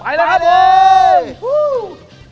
ไปแล้วครับผม